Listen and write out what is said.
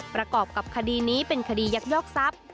ประกอบกับคดีนี้เป็นคดียักยอกทรัพย์